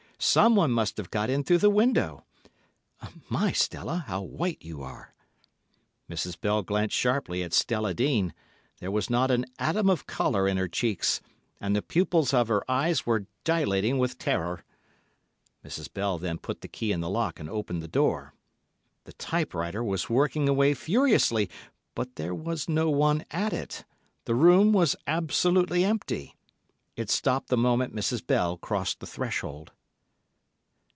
Someone must have got in through the window. My, Stella, how white you are!" Mrs. Bell glanced sharply at Stella Dean—there was not an atom of colour in her cheeks, and the pupils of her eyes were dilating with terror. Mrs. Bell then put the key in the lock and opened the door. The typewriter was working away furiously, but there was no one at it, the room was absolutely empty. It stopped the moment Mrs. Bell crossed the threshold.